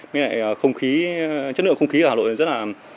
nghĩa là không khí chất lượng không khí ở hà nội rất là